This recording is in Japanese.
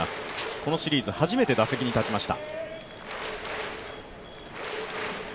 このシリーズ、初めて打席に立ちました。